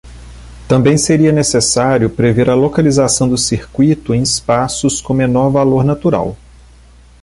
Também seria necessário prever a localização do circuito em espaços com menor valor natural.